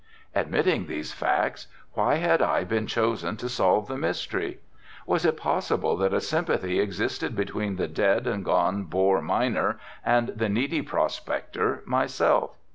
Admitting these facts, why had I been chosen to solve the mystery? Was it possible that a sympathy existed between the dead and gone Boer miner and the needy prospector, myself?